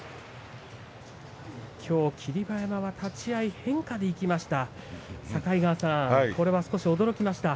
きょう、霧馬山が立ち合い変化にいきました。